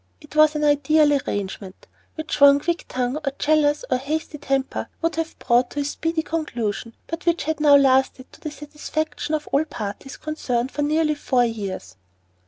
It was an ideal arrangement, which one quick tongue or jealous or hasty temper would have brought to speedy conclusion, but which had now lasted to the satisfaction of all parties concerned for nearly four years.